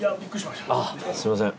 すいません。